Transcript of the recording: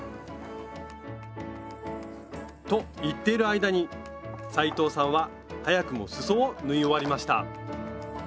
と言っている間に斉藤さんは早くもすそを縫い終わりました